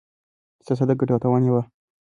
سياست د ګټې او تاوان يوه پېچلې لوبه ده.